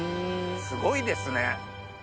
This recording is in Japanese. すごいですね。